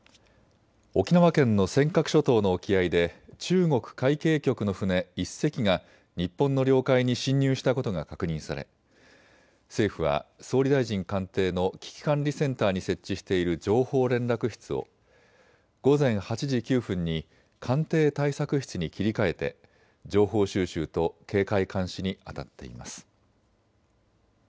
沖縄県の尖閣諸島の沖合で中国海警局の船１隻が日本の領海に侵入したことが確認され政府は総理大臣官邸の危機管理管理センターに設置している情報連絡室を午前８時９分に官邸対策室に切り替えて情報収集と警戒監視にあたっています。